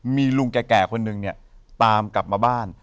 มีลุงแก่คนหนึ่งเนี่ยตามกลับมาบ้าน